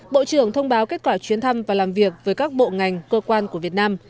bộ trưởng thông báo kết quả chuyến thăm và làm việc với các bộ ngành cơ quan của việt nam